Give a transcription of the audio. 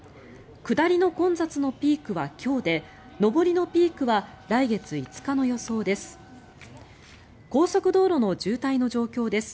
下りの混雑のピークは今日で上りのピークは来月５日の予想です。